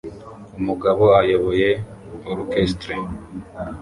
Umugabo ayoboye orchestre